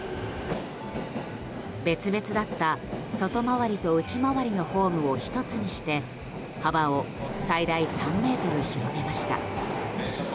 別々だった、外回りと内回りのホームを１つにして幅を最大３ｍ広げました。